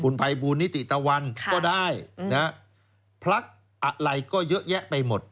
ขุนภัยบูรณิติตะวันค่ะก็ได้นะฮะพลักษณ์อะไรก็เยอะแยะไปหมด